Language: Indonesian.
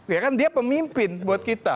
ya kan dia pemimpin buat kita